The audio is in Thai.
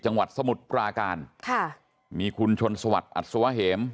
จังหวัดสมุทรปราการค่ะมีคุณชนสวัสดิ์อัสสวเหมย์